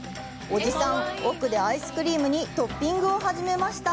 おじさん、奥でアイスクリームにトッピングを始めました。